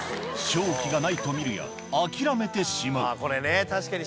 勝機がないとみるや、諦めてしまう。